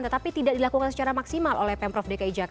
tetapi tidak dilakukan secara maksimal oleh pemprov